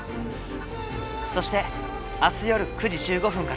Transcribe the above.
そして明日夜９時１５分からは。